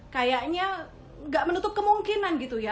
kayaknya nggak menutup kemungkinan gitu ya